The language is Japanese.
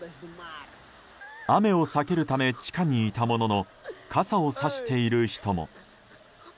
雨を避けるため地下にいたものの傘をさしている人も。